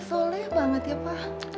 soleh banget ya pa